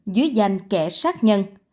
dưới danh kẻ sát nhân